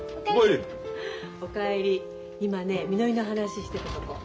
今ねみのりの話してたとこ。